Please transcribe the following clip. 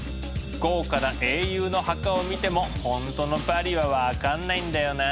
豪華な英雄の墓を見ても本当のパリは分かんないんだよな。